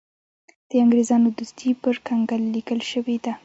د انګرېزانو دوستي پر کنګل لیکل شوې ده.